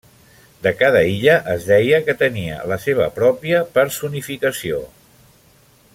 De cada illa es deia que tenia la seva pròpia personificació.